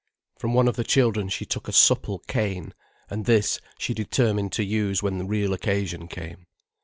From one of the children she took a supple cane, and this she determined to use when real occasion came.